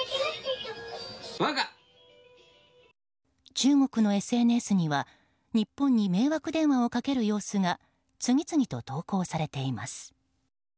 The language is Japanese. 中国のＳＮＳには日本に迷惑電話をかける様子が次々と投稿されています。